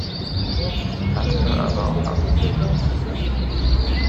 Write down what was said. Manchmal aber auch absichtlich.